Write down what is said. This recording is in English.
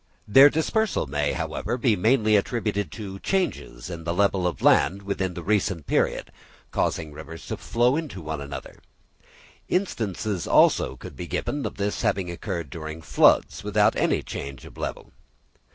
Their dispersal may, however, be mainly attributed to changes in the level of the land within the recent period, causing rivers to flow into each other. Instances, also, could be given of this having occurred during floods, without any change of level.